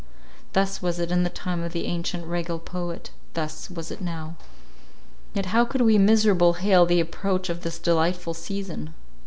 Thus was it in the time of the ancient regal poet; thus was it now. Yet how could we miserable hail the approach of this delightful season?